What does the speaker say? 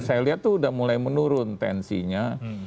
saya lihat tuh udah mulai menurun tensinya